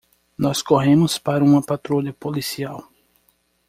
Nós corremos para uma patrulha policial.